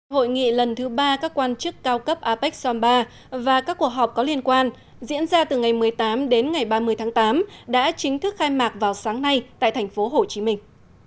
hội nghị lần thứ ba các quan chức cao cấp apec som ba và các cuộc họp có liên quan diễn ra từ ngày một mươi tám đến ngày ba mươi tháng tám đã chính thức khai mạc vào sáng nay tại thành phố hồ chí minh